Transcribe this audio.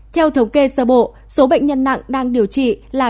theo thống kê sơ bộ số bệnh nhân nặng đang điều trị là sáu bốn trăm ba mươi